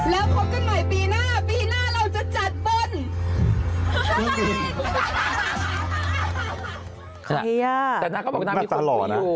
แล้วพบกันใหม่ปีหน้าปีหน้าเราจะจัดบน